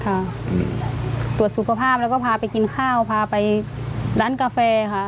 ตรวจสุขภาพแล้วก็พาไปกินข้าวพาไปร้านกาแฟค่ะ